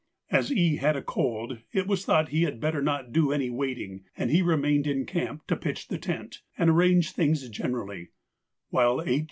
As E. had a cold, it was thought he had better not do any wading, and he remained in camp to pitch the tent and arrange things generally, while H.